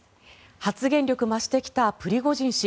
発言力増してきたプリゴジン氏